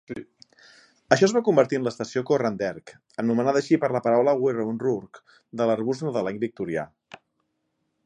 Això es va convertir en l'estació Coranderrk, anomenada així per la paraula "Woiwurrung" de l'arbust nadalenc victorià.